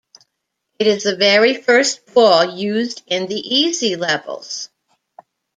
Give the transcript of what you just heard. It is the very first ball, used in the easy levels.